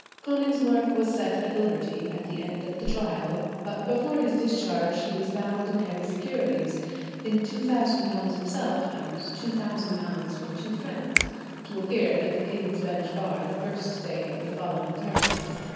Konigsmark was set at liberty at the end of the trial, but before his discharge he was bound in heavy securities, in £2,000 himself, and £2,000 from two friends, to appear at the King's Bench Bar the first day of the following term.